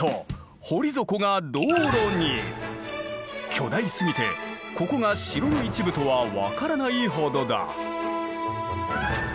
巨大すぎてここが城の一部とは分からないほどだ。